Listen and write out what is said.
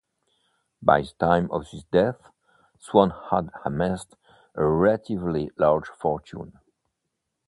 By the time of his death, Swan had amassed a relatively large fortune.